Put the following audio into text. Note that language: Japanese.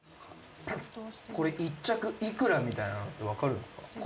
これ１着幾らみたいなのって分かるんですか？